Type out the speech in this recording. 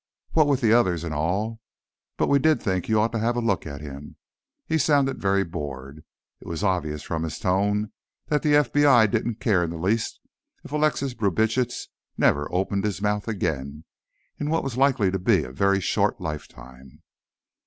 "What with the others, and all. But we did think you ought to have a look at him." He sounded very bored. It was obvious from his tone that the FBI didn't care in the least if Alexis Brubitsch never opened his mouth again, in what was likely to be a very short lifetime.